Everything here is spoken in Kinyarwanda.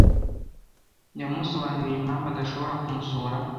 Yamusobanuriye impamvu adashobora kumusura.